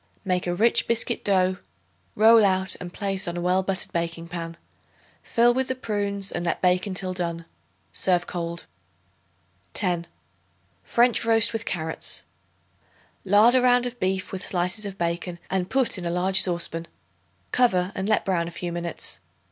Make a rich biscuit dough, roll out and place on a well buttered baking pan. Fill with the prunes and let bake until done. Serve cold. 10. French Roast with Carrots. Lard a round of beef with slices of bacon and put in a large saucepan. Cover and let brown a few minutes.